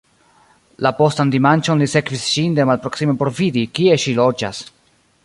La postan dimanĉon, li sekvis ŝin de malproksime por vidi, kie ŝi loĝas.